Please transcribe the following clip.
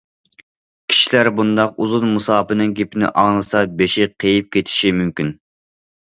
كىشىلەر بۇنداق ئۇزۇن مۇساپىنىڭ گېپىنى ئاڭلىسا بېشى قېيىپ كېتىشى مۇمكىن.